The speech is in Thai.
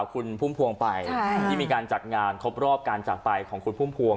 ของเราเองก็มีการนำสนัยข่าวคุณพุ่มพวงไปที่มีการจัดงานครบรอบการจัดไปของคุณพุ่มพวง